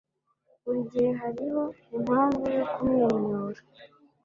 buri gihe hariho impamvu yo kumwenyura